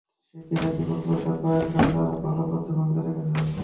সেটিই নাকি ফুটবলে তাঁর পায়ের কাজ আরও ভালো করতে ভূমিকা রেখেছে।